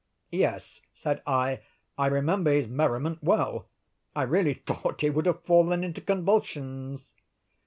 "Yes," said I, "I remember his merriment well. I really thought he would have fallen into convulsions."